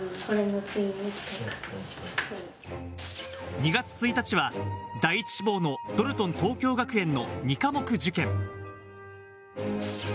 ２月１日は第一志望のドルトン東京学園の２科目受験。